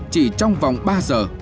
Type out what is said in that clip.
chỉ trong vòng ba giờ